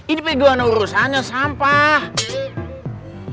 ini peguan urusannya sampah